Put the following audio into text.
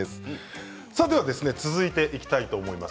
続いていきたいと思います。